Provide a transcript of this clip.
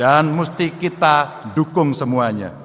dan mesti kita dukung semuanya